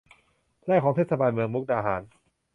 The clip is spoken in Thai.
ไร่ของเทศบาลเมืองมุกดาหาร